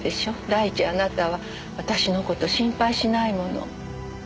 第一あなたは私の事心配しないもの。